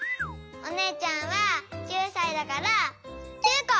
おねえちゃんは９さいだから９こ！